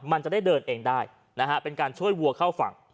มันจะได้เดินเองได้นะฮะเป็นการช่วยวัวเข้าฝั่ง